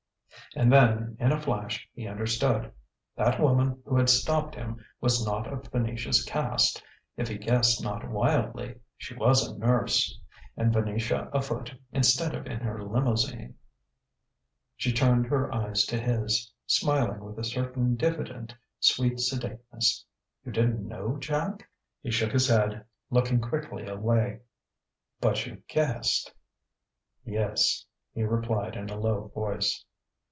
And then in a flash he understood. That woman who had stopped him was not of Venetia's caste; if he guessed not wildly, she was a nurse. And Venetia afoot instead of in her limousine.... She turned her eyes to his, smiling with a certain diffident, sweet sedateness. "You didn't know, Jack?" He shook his head, looking quickly away. "But you've guessed?" "Yes," he replied in a low voice.